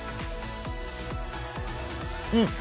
うん！